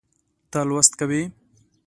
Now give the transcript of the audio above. ته لوست کوې